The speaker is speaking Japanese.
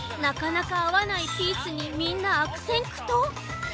なかなかあわないピースにみんなあくせんくとう。